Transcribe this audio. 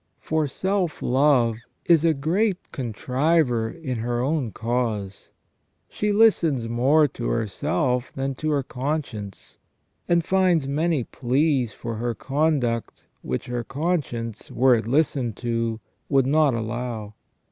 For self love is a great contriver in her own cause ; she listens more to herself than to her conscience, and finds many pleas for her conduct which her con science, were it listened to, would not allow.